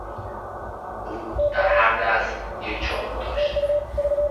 او در هر دست یک چاقو داشت.